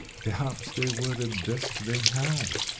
Perhaps they were the best they had.